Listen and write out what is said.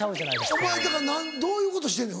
お前どういうことしてんねん？